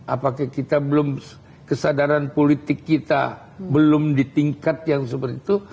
apakah kita belum kesadaran politik kita belum di tingkat yang seperti itu